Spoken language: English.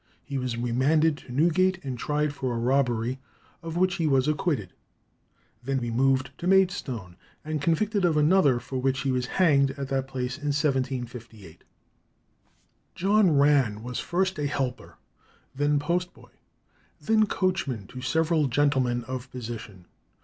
He was remanded to Newgate and tried for a robbery, of which he was acquitted; then removed to Maidstone and convicted of another, for which he was hanged at that place in 1758. John Rann was first a helper, then postboy, then coachman to several gentlemen of position.